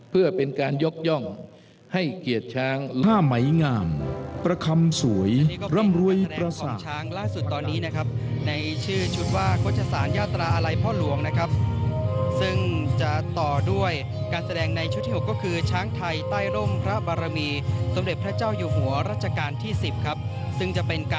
เพื่อเป็นการยกย่องให้เกียรติช้าง